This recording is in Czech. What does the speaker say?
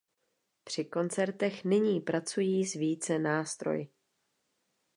Při koncertech nyní pracují s více nástroji.